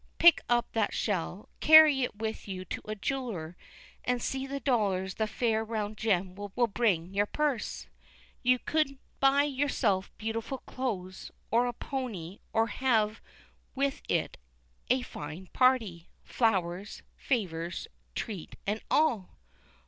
Pick up that shell, carry it with you to a jeweller, and see the dollars the fair round gem will bring to your purse. You could buy yourself beautiful clothes, or a pony, or could have with it a fine party, flowers, favors, treat and all.